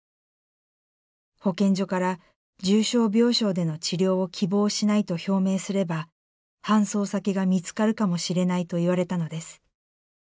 保健所から重症病床での治療を希望しないと表明すれば搬送先が見つかるかもしれないと言われたのです。